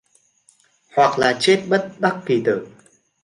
Hoặc là chết bất đắc kỳ tử